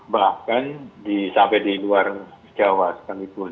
bahkan sampai di luar jawa sekalipun